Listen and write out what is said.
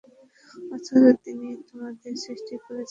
অথচ তিনিই তোমাদের সৃষ্টি করেছেন পর্যায়ক্রমে।